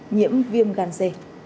nhiễm viêm gan c